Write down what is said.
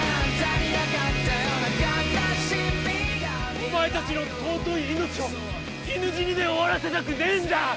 お前たちの尊い命を犬死にで終わらせたくねぇんだ！